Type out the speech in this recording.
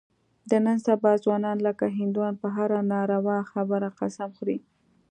د نن سبا ځوانان لکه هندوان په هره ناروا خبره قسم خوري.